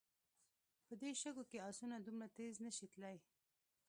په دې شګو کې آسونه دومره تېز نه شي تلای.